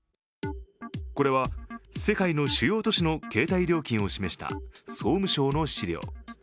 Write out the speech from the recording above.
これは、世界の主要都市の携帯料金を示した総務省の資料。